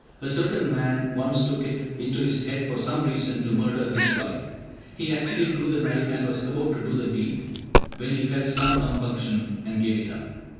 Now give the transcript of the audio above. A certain man once took it into his head, for some reason, to murder his wife. He actually drew the knife and was about to do the deed, when he felt some compunction, and gave it up.